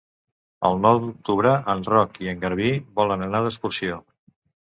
El nou d'octubre en Roc i en Garbí volen anar d'excursió.